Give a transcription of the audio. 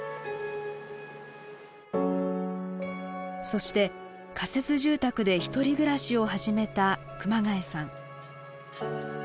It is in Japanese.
そして仮設住宅で１人暮らしを始めた熊谷さん。